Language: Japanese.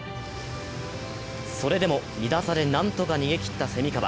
それでも２打差でなんとか逃げきった蝉川。